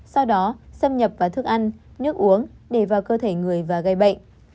sau đó xâm nhập vào thức ăn nước uống để vào cơ thể người và gây bệnh